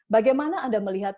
bagaimana anda melihat